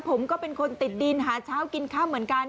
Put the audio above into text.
ผมก็เป็นคนติดดินหาเช้ากินค่ำเหมือนกัน